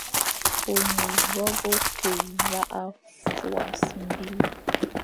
Ônyu vogho ke vaʼa fwas mbil.